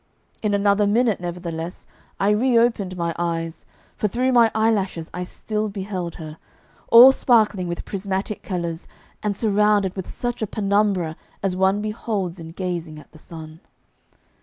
In another minute, nevertheless, I reopened my eyes, for through my eyelashes I still beheld her, all sparkling with prismatic colours, and surrounded with such a penumbra as one beholds in gazing at the sun.